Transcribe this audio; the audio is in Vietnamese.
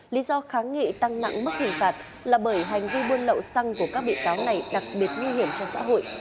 lý do kháng nghị tăng nặng mức hình phạt là bởi hành vi buôn lậu xăng của các bị cáo này đặc biệt nguy hiểm cho xã hội